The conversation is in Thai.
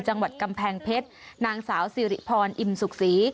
จังหวัดกำแพงเพชรนางสาวสิริพรอิ่มสุขศรี